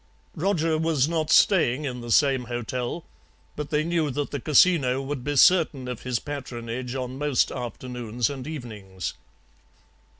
"Roger was not staying in the same hotel, but they knew that the casino would be certain of his patronage on most afternoons and evenings.